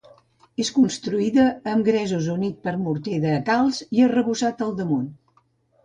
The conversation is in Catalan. És construïda amb gresos units amb morter de calç i arrebossat al damunt.